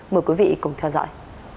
mời quý vị cùng theo dõi